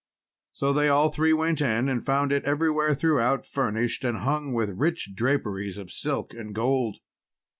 So they all three went in, and found it everywhere throughout furnished, and hung with rich draperies of silk and gold.